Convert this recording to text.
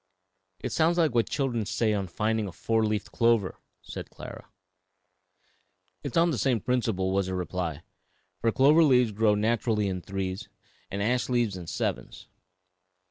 '" "It sounds like what children say on finding a four leafed clover," said Clara. "It is on the same principle," was the reply, "for clover leaves grow naturally in threes and ash leaves in sevens.